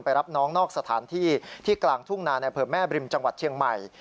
รับน้องนอกสถานที่ที่กลางทุ่งนาในอำเภอแม่บริมจังหวัดเชียงใหม่